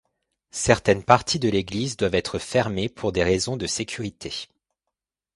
Certaines parties de l'église doivent être fermées pour des raisons de sécurité.